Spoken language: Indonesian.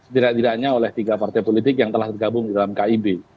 tidak tidaknya oleh tiga partai politik yang telah tergabung di dalam kib